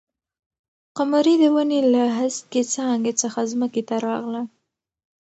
قمري د ونې له هسکې څانګې څخه ځمکې ته راغله.